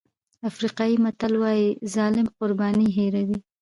افریقایي متل وایي ظالم قرباني هېروي.